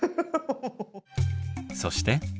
そして。